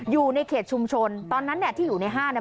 อยู่ในเขตชุมชนตอนนั้นเนี่ยที่อยู่ในห้างเนี่ย